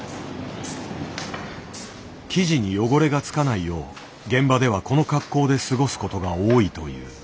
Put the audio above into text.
生地に汚れが付かないよう現場ではこの格好で過ごすことが多いという。